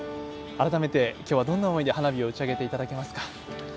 改めてきょうは、どんな思いで花火を打ち上げていただけますか？